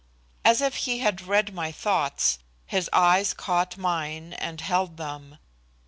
As if he had read my thoughts, his eyes caught mine and held them.